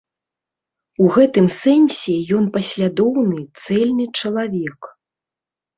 У гэтым сэнсе ён паслядоўны, цэльны чалавек.